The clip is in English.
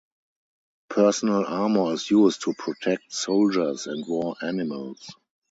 Personal armour is used to protect soldiers and war animals.